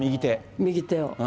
右手を。